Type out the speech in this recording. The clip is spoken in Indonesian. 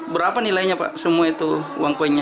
berapa nilainya pak semua itu uang koinnya